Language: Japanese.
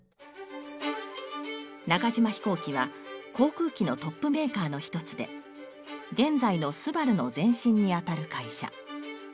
中島飛行機は航空機のトップメーカーの一つで現在のスバルの前身にあたる会社。